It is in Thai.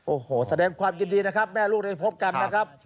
โอ้โหแสดงความยินดีนะครับแม่ลูกได้พบกันนะครับ